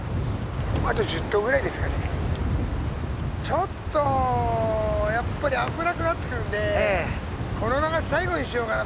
ちょっとやっぱり危なくなってくるんでこのまま最後にしようかな。